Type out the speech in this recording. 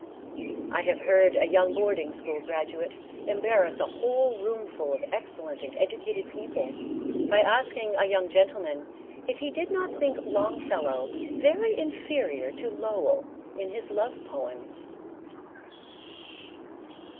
I have heard a young boarding school graduate embarrass a whole room full of excellent and educated people by asking a young gentleman if he did not think Longfellow very inferior to Lowell in his love poems.